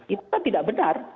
itu kan tidak benar